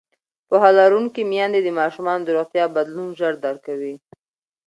پوهه لرونکې میندې د ماشومانو د روغتیا بدلون ژر درک کوي.